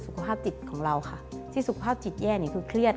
สุขภาพจิตของเราค่ะที่สุขภาพจิตแย่นี่คือเครียด